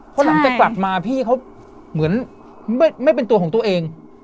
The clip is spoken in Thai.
เพราะหลังจากกลับมาพี่เขาเหมือนไม่เป็นตัวของตัวเอง